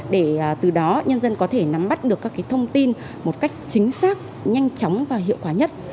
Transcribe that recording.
để từ đó nhân dân có thể nắm bắt được các thông tin một cách chính xác nhanh chóng và hiệu quả nhất